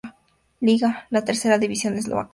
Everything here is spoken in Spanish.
Liga, la tercera división eslovaca.